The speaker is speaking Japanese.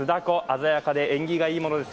鮮やかで縁起がいいものです。